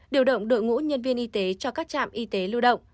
điều động đội ngũ nhân viên y tế cho các trạm y tế lưu động